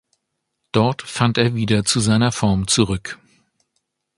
Dort fand er wieder zu seiner Form zurück.